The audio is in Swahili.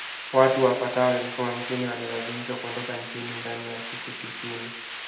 Watu wapatao elfu hamsini walilazimishwa kuondoka nchini ndani ya siku tisini